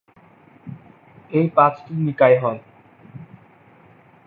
এই পাঁচটি নিকায় হল